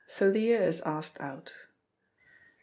— THALIA IS ASKED OUT MR.